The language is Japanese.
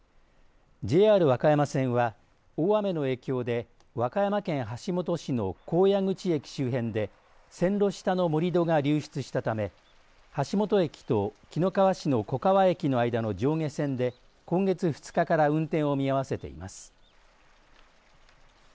ＪＲ和歌山線は大雨の影響で和歌山県橋本市の高野口駅周辺で線路下の盛り土が流出したため橋本駅と紀の川市の粉河駅の間の上下線で今月２日から運転を見合わせています。